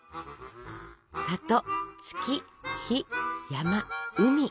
「里」「月」「日」「山」「海」